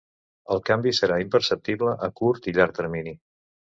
El canvi serà imperceptible a curt i llarg termini.